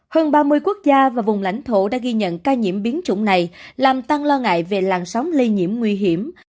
hơn ba mươi quốc gia và vùng lãnh thổ đã ghi nhận ca nhiễm biến chủng này làm tăng lo ngại về làn sóng lây nhiễm nguy hiểm